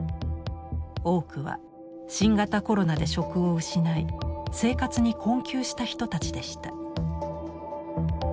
多くは新型コロナで職を失い生活に困窮した人たちでした。